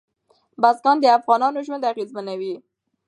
بزګان د افغانانو ژوند اغېزمن کوي.